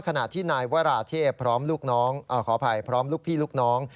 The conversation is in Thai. ขณะที่นายวารเทพพร้อมพี่และลูกน้อง